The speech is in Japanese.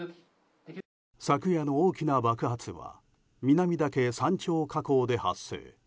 昨夜の大きな爆発は南岳山頂火口で発生。